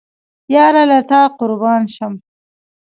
یاره له تا قربان شم